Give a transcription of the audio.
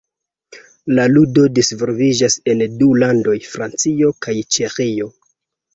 La ludo disvolviĝas en du landoj: Francio kaj Ĉeĥio.